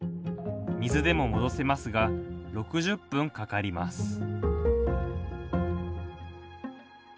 水でも戻せますが６０分かかります。